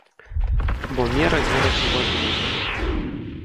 Бо мера вераць у ваду.